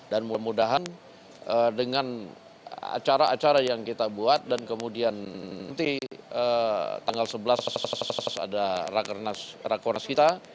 dan mudah mudahan dengan acara acara yang kita buat dan kemudian nanti tanggal sebelas ada rakonas kita